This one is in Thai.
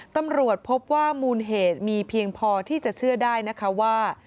ตำรวจพบว่ามูลเหตุมีเพียงพอที่จะเชื่อได้นะคะว่า